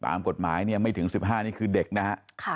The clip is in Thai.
ตามกฎหมายเนี่ยไม่ถึง๑๕นี่คือเด็กนะฮะ